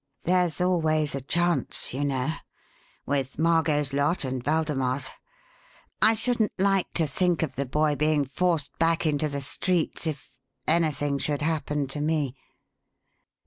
There's always a chance, you know with Margot's lot and Waldemar's. I shouldn't like to think of the boy being forced back into the streets if anything should happen to me."